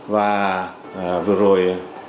và vừa rồi